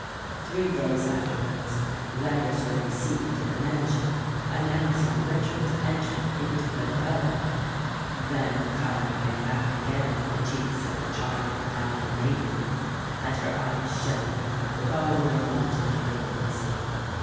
Three days afterwards letters were received at the mansion announcing Richard's entry into Villabella. Then the colour came back again to the cheeks of the charming Italian maiden; and her eyes shone with all their wonted brilliancy.